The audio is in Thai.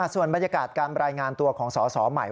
ส่วนบรรยากาศการรายงานตัวของสอสอใหม่